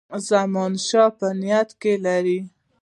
زمانشاه په نیت کې لري.